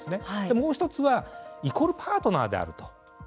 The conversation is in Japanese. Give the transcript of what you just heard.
もう１つはイコールパートナーであると。